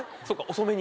遅めに。